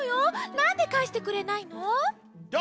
なんでかえしてくれないの？